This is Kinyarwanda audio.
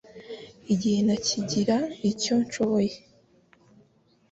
Igihe ntakigira icyo nshoboye